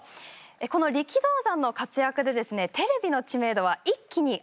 この力道山の活躍でですねテレビの知名度は一気に上がります。